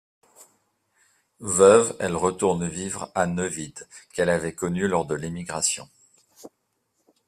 Veuve, elle retourne vivre à Neuwied, qu'elle avait connu lors de l'émigration.